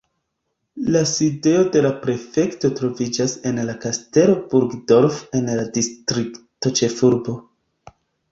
La sidejo de la prefekto troviĝas en la Kastelo Burgdorf en la distriktĉefurbo.